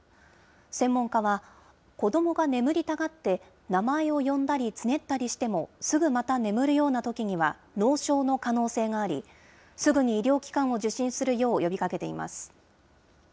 専門家は、子どもが眠りたがって、名前を読んだり、つねったりしても、すぐまた眠るようなときは、脳症の可能性があり、すぐに医療機関を受診するよう呼びかけています。